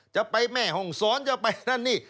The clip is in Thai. จะไปแม่ห่องซ้อนจะไปด้านนี้